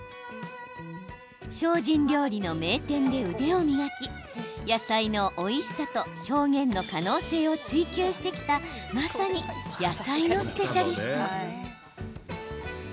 精進料理の名店で腕を磨き野菜のおいしさと表現の可能性を追求してきたまさに野菜のスペシャリスト。